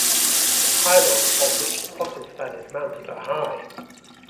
The pylons on which the crossing span is mounted are high.